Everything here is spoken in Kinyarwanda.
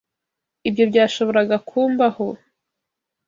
Ibyo byashoboraga kumbaho.